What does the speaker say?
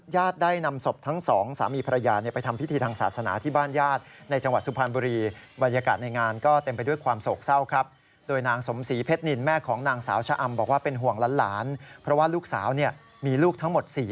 ญาติได้นำศพทั้งสองสามีพระยา